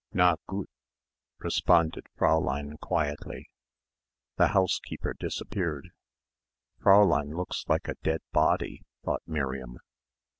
"Na, gut," responded Fräulein quietly. The housekeeper disappeared. "Fräulein looks like a dead body," thought Miriam.